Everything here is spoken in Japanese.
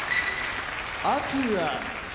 天空海